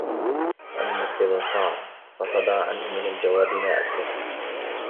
وَإِمَّا اسْتِبْصَارًا فَصَدَرَ عَنْهُ مِنْ الْجَوَابِ مَا أَسْكَتَ